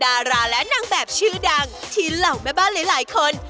ดาราและนางแบบชื่อดังที่เหล่าแม่บ้านหลายคน